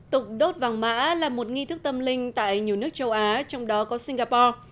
tục đốt vàng mã là một nghi thức tâm linh tại nhiều nước châu á trong đó có singapore